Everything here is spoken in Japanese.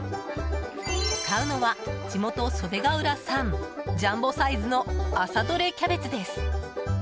使うのは、地元・袖ケ浦産ジャンボサイズの朝どれキャベツです。